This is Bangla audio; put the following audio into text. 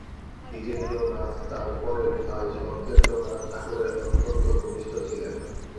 দ্বিজেন্দ্রনাথ তার পরের ভাই সত্যেন্দ্রনাথ ঠাকুরের অত্যন্ত ঘনিষ্ঠ ছিলেন।